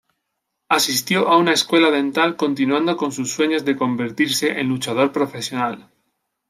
Asistió a una escuela dental continuando con sus sueños de convertirse en luchador profesional.